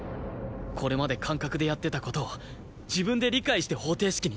これまで感覚でやってた事を自分で理解して方程式にできた。